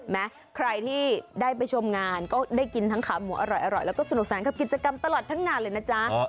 แม้ใครที่ได้ไปชมงานก็ได้กินทั้งขาหมูอร่อยแล้วก็สนุกสนานกับกิจกรรมตลอดทั้งงานเลยนะจ๊ะ